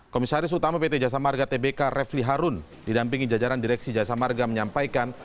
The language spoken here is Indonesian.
komisaris utama pt jasa marga tbk refli harun didampingi jajaran direksi jasa marga menyampaikan